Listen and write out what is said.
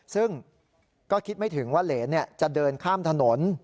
ซึ่งก็คิดไม่ถึงว่าเหรนจะเดินข้ามถนน